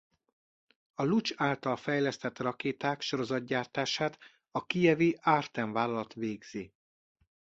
A Lucs által fejlesztett rakéták sorozatgyártását a kijevi Artem vállalat végzi.